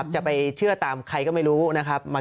จะไปเชื่อตามใครก็ไม่รู้นะครับ